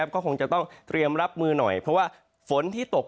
ก็คงจะต้องเตรียมรับมือหน่อยเพราะว่าฝนที่ตก